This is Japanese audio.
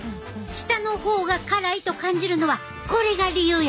下の方が辛いと感じるのはこれが理由やねん！